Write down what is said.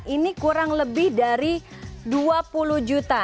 ini kurang lebih dari dua puluh juta